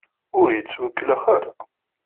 Ur ittwakellex ara.